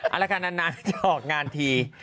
เอาละกันนานจะออกงานที